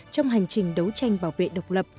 trong hành trình đấu tranh bảo vệ độc lập